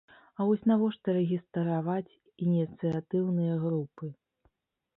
А вось навошта рэгістраваць ініцыятыўныя групы!?